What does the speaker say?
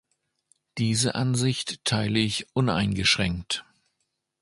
Diese Ansicht teile ich uneingeschränkt.